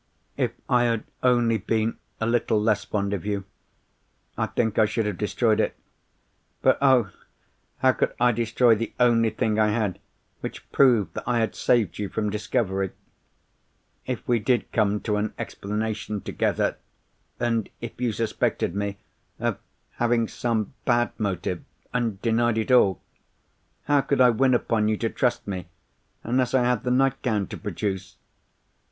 "If I had only been a little less fond of you, I think I should have destroyed it. But oh! how could I destroy the only thing I had which proved that I had saved you from discovery? If we did come to an explanation together, and if you suspected me of having some bad motive, and denied it all, how could I win upon you to trust me, unless I had the nightgown to produce?